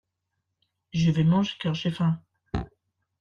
Je vais manger car j’ai faim.